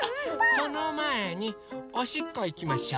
そのまえにおしっこいきましょう。